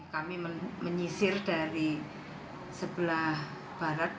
kami menyisir dari sebelah barat